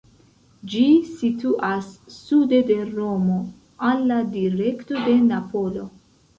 Ĝi situas sude de Romo, al la direkto de Napolo.